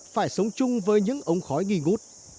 phải sống chung với những ống khói nghi ngút